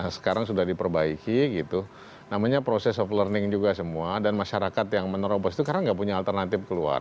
sekarang sudah diperbaiki gitu namanya proses of learning juga semua dan masyarakat yang menerobos itu sekarang nggak punya alternatif keluar